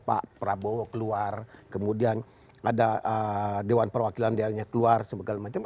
pak prabowo keluar kemudian ada dewan perwakilan daerahnya keluar segala macam